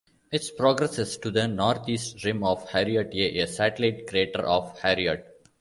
It progresses to the northeast rim of Harriot A, a satellite crater of Harriot.